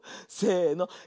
せの。